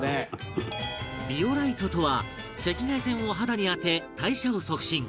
ビオライトとは赤外線を肌に当て、代謝を促進